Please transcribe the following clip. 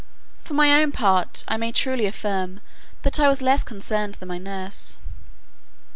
For my own part, I may truly affirm, that I was less concerned than my nurse.